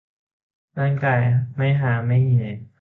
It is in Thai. ร่างกายไม่ฮาไม่เฮ